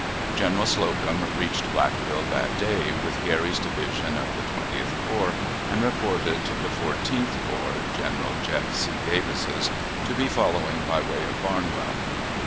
General Slocum reached Blackville that day, with Geary's division of the Twentieth Corps, and reported the Fourteenth Corps (General Jeff. C. Davis's) to be following by way of Barnwell.